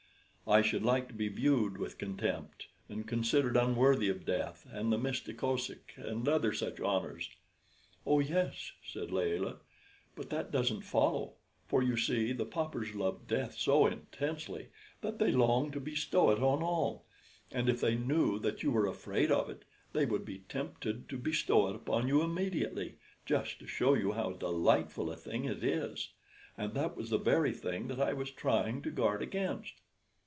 I should like to be viewed with contempt, and considered unworthy of death and the Mista Kosek, and other such honors." "Oh yes," said Layelah; "but that doesn't follow; for you see the paupers love death so intensely that they long to bestow it on all; and if they knew that you were afraid of it, they would be tempted to bestow it upon you immediately, just to show you how delightful a thing it is. And that was the very thing that I was trying to guard against."